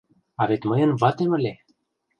А вет мыйын ватем ыле!